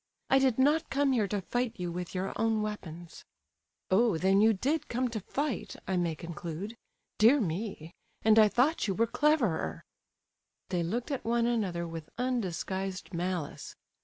"I did not come here to fight you with your own weapons. "Oh! then you did come 'to fight,' I may conclude? Dear me!—and I thought you were cleverer—" They looked at one another with undisguised malice.